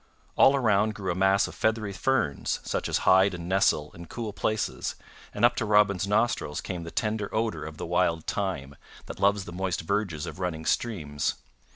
All around grew a mass of feathery ferns such as hide and nestle in cool places, and up to Robin's nostrils came the tender odor of the wild thyme, that loves the moist verges of running streams.